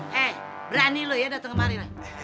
hei berani lo ya dateng kemari nih